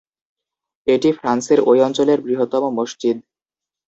এটি ফ্রান্সের ঐ অঞ্চলের বৃহত্তম মসজিদ।